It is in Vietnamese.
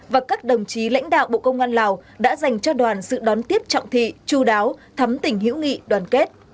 và các đồng chí lãnh đạo bộ công an lào đã dành cho đoàn sự đón tiếp trọng thị chú đáo thắm tỉnh hữu nghị đoàn kết